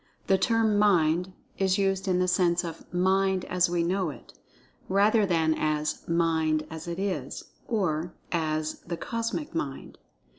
The term "Mind" is used in the sense of "Mind, as we know it," rather than as "Mind, as it is"—or, as "The Cosmic Mind."